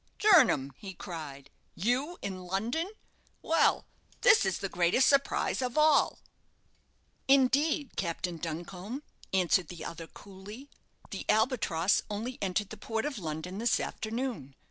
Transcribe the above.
"Jernam!" he cried; "you in London? Well, this is the greatest surprise of all." "Indeed, Captain Duncombe," answered the other, coolly; "the 'Albatross' only entered the port of London this afternoon.